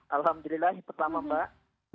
alhamdulillah itu pertama mbak